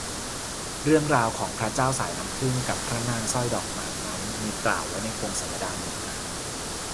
เรื่องราวของพระเจ้าสายน้ำผึ้งกับพระนางสร้อยดอกหมากนั้น มีกล่าวไว้ในพงศาวดารเหนือ